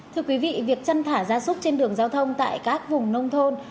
thưa quý vị việc chân thả gia súc trên đường giao thông tại các vùng nông thôn